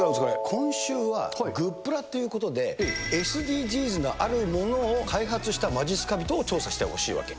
今週はグップラということで、ＳＤＧｓなあるものを開発したまじっすか人を調査してほしいわけ。